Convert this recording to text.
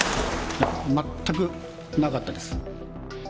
いや、全くなかったです。